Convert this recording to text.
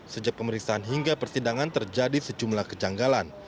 sejak pemeriksaan hingga persidangan terjadi sejumlah kejanggalan